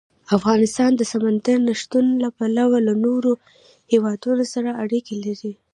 افغانستان د سمندر نه شتون له پلوه له نورو هېوادونو سره اړیکې لري.